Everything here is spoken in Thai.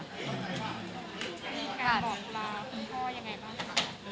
มีการบอกลาคุณพ่อยังไงบ้างคะ